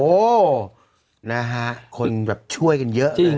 โอ้โหคนช่วยกันเยอะ